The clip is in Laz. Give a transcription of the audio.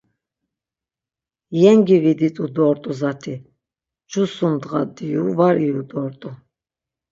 Yengi viditu dort̆u zat̆i, cu sum ndğa diyu var iyu dort̆u.